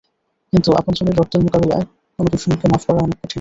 কিন্তু আপনজনের রক্তের মোকাবিলায় কোন দুশমনকে মাফ করা অনেক কঠিন।